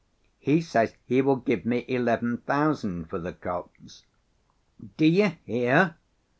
He says he will give me eleven thousand for the copse. Do you hear?